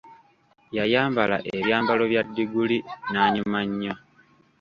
Yayambala ebyambalo bya diguli n'anyuma nnyo.